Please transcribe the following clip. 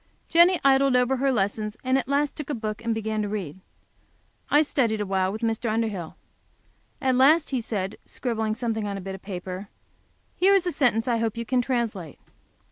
Jenny idled over her lessons, and at last took a book and began to read. I studied awhile with Mr. Underhill. At last he said, scribbling something on a bit of paper: "Here is a sentence I hope you can translate."